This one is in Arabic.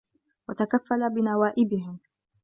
وَتَكَفَّلَ بِنَوَائِبِهِمْ